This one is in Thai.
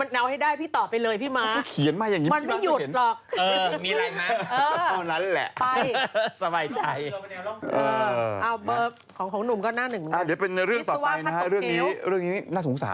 อ้าเดย้เป็นเรื่องต่อไปนะฮะเรื่องนี้หน้าสงสาร